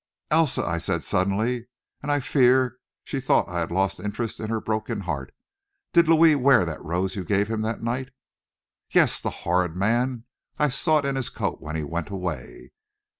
"Elsa," I said suddenly, and I fear she thought I had lost interest in her broken heart, "did Louis wear that rose you gave him that night?" "Yes, the horrid man! I saw it in his coat when he went away."